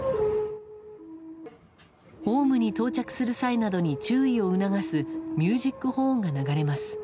ホームに到着する際などに注意を促すミュージックホーンが流れます。